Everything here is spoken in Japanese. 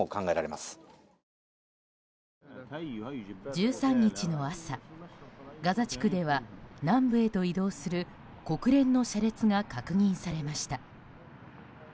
１３日の朝ガザ地区では南部へと移動する国連の車列が確認されました。